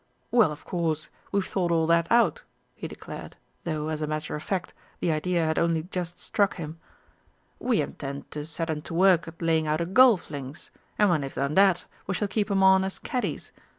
Well, of course, we've thought all that out," he declared, though, as a matter of fact, the idea had only just struck him. "We intend to set 'em to work at laying out a golf links, and when they've done that, we shall keep 'em on as caddies.